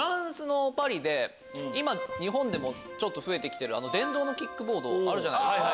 今日本でも増えて来てる電動のキックボードあるじゃないですか。